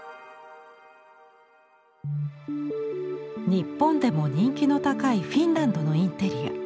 日本でも人気の高いフィンランドのインテリア。